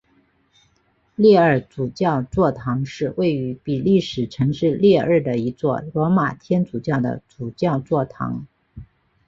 列日主教座堂是位于比利时城市列日的一座罗马天主教的主教座堂。